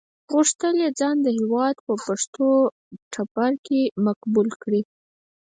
غوښتل یې ځان د هېواد په پښتون ټبر کې مقبول کړي.